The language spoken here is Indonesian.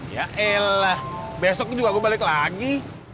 ya elah besok juga gua balik lagi